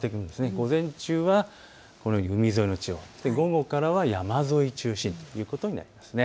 午前中は海沿いの地方、午後からは山沿いを中心ということになります。